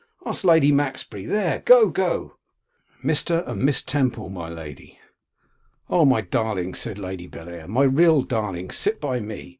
Ask Lady Maxbury. There, go, go.' 'Mr. and Miss Temple, my lady.' 'Oh, my darling!' said Lady Bellair, 'my real darling! sit by me.